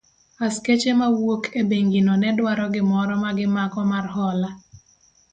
Askeche mawuok e bengi no ne dwaro gimoro magimako mar hola.